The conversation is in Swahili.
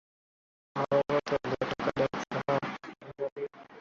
Hawa wote walitokea Radio Tanzania Dar Es salaam